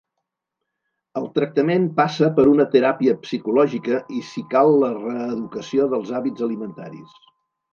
El tractament passa per una teràpia psicològica i si cal la reeducació dels hàbits alimentaris.